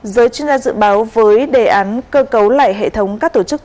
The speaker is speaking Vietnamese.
giới chuyên gia dự báo với đề án cơ cấu lại hệ thống các tổ chức